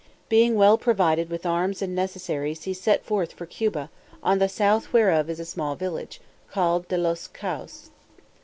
Being well provided with arms and necessaries, he set forth for Cuba, on the south whereof is a small village, called De los Cayos.